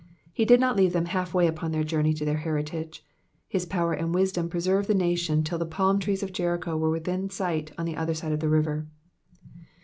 He did not leave them halfway upon their journey to their heritage ; his power and wisdom preserved the nation till the palm trees of Jericho were within sight on the other side of the river.